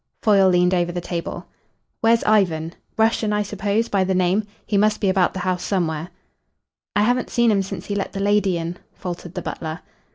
Foyle leaned over the table. "Where's Ivan? Russian, I suppose, by the name? He must be about the house somewhere." "I haven't seen him since he let the lady in," faltered the butler.